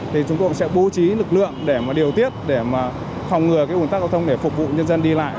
thì chúng tôi cũng sẽ bố trí lực lượng để mà điều tiết để mà phòng ngừa cái ồn tắc giao thông để phục vụ nhân dân đi lại